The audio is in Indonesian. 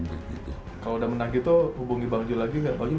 kalau udah menang gitu hubungi bang jhoel lagi nggak